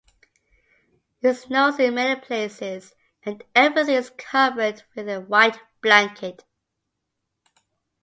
It snows in many places, and everything is covered with a white blanket.